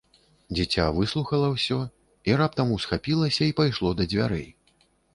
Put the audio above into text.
Дзіця выслухала ўсё і раптам усхапілася і пайшло да дзвярэй.